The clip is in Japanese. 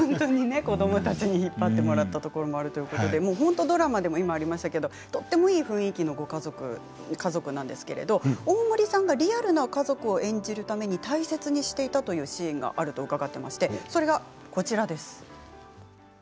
子どもたちに引っ張ってもらったところもあるということでドラマでもありましたがとてもいい雰囲気のご家族なんですけれど大森さんがリアルな家族を演じるために大切にしていたというシーンがあります。